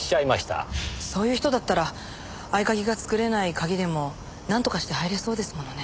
そういう人だったら合鍵が作れない鍵でもなんとかして入れそうですものね。